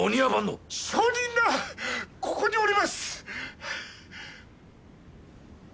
証人ならここにおります！